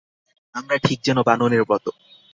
আমরা ঠিক যেন বানরের মত।